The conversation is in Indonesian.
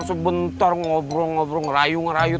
sebentar ngobrol ngobrol rayu ngerayu